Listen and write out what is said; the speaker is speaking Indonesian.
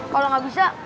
kalau gak bisa